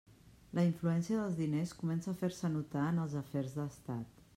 La influència dels diners comença a fer-se notar en els afers d'Estat.